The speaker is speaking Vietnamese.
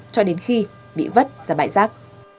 cho đến khi bị vất ra bãi rác